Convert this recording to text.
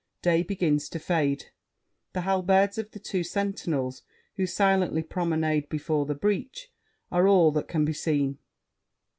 Day begins to fade. The halberds of the two sentinels, who silently promenade before the breach, are all that can be seen.